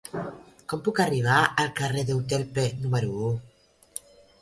Com puc arribar al carrer d'Euterpe número u?